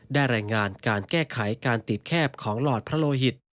รายงานการแก้ไขการตีบแคบของหลอดพระโลหิต